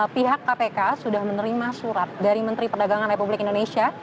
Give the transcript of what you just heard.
pihak kpk sudah menerima surat dari menteri perdagangan republik indonesia